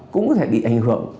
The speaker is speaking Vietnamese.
cũng có thể bị ảnh hưởng